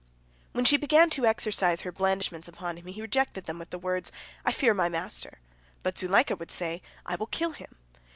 " When she began to exercise her blandishments upon him, he rejected them with the words, "I fear my master." But Zuleika would say, "I will kill him."